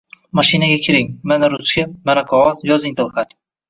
— Mashinaga kiring. Mana, ruchka, mana, qog‘oz. Yozing: tilxat...